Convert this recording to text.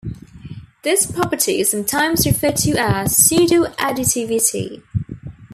This property is sometimes referred to as "pseudo-additivity".